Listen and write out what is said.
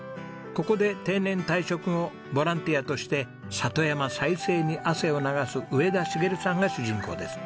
ここで定年退職後ボランティアとして里山再生に汗を流す上田茂さんが主人公です。